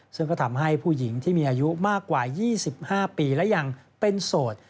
ซึ่งก็ทำให้ผู้หญิงที่มีอายุมากกว่า๒๕ปีและยังเป็นโสด